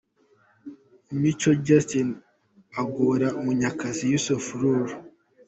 Mico Justin agora Munyakazi Yussuf Rule.